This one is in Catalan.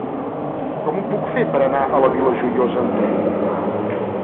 Com ho puc fer per anar a la Vila Joiosa amb tren?